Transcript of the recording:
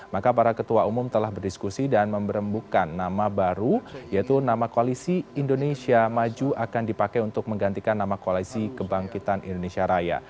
maka para ketua umum telah berdiskusi dan memberembukkan nama baru yaitu nama koalisi indonesia maju akan dipakai untuk menggantikan nama koalisi kebangkitan indonesia raya